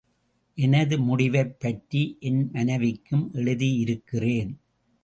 எனது முடிவைப் பற்றி என் மனைவிக்கும் எழுதியிருக்கிறேன்.